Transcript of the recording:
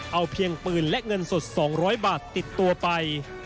เอาเพียงปืนและเงินสด๒๐๐บาทติดตัวไป